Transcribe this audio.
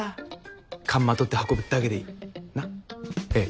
感まとって運ぶだけでいいなっ？イェイ。